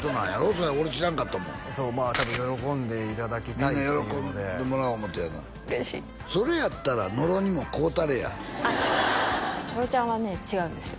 それ俺知らんかったもん喜んでいただきたいというのでみんな喜んでもらおう思うてやな嬉しいそれやったら野呂にも買うたれやあっ野呂ちゃんはね違うんですよ